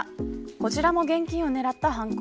こちらも現金を狙った犯行。